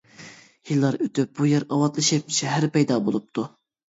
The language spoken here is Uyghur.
يىللار ئۆتۈپ، بۇ يەر ئاۋاتلىشىپ، شەھەر پەيدا بولۇپتۇ.